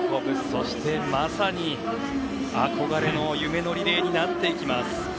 そして、まさに憧れの夢のリレーになっていきます。